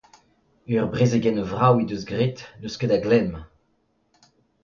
Ur brezegenn vrav he deus graet, n'eus ket da glemm !